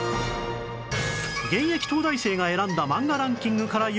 現役東大生が選んだ漫画ランキングから読み解く